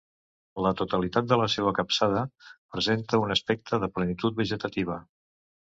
La totalitat de la seua capçada presenta un aspecte de plenitud vegetativa.